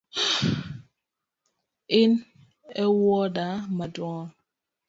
In ewuoda maduong’?